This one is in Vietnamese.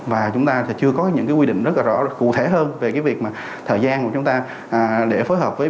và chúng ta chưa có những quy định rất rõ cụ thể hơn về việc thời gian của chúng ta để phối hợp với